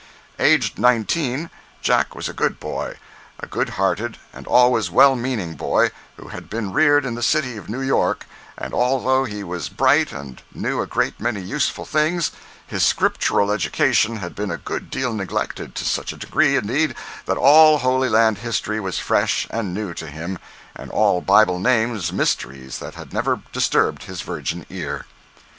Aged nineteen. Jack was a good boy—a good hearted and always well meaning boy, who had been reared in the city of New York, and although he was bright and knew a great many useful things, his Scriptural education had been a good deal neglected—to such a degree, indeed, that all Holy Land history was fresh and new to him, and all Bible names mysteries that had never disturbed his virgin ear.